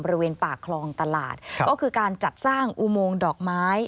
บริเวณปากคลองตลาดก็คือการจัดสร้างอุโมงดอกไม้